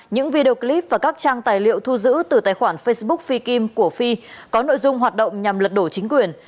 những video clip và các trang tài liệu thu giữ từ tài khoản facebook fi kim của phi có nội dung hoạt động nhằm lật đổ chính quyền